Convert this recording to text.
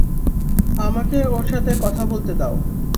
আমাকে ওর সাথে কথা বলতে দাও।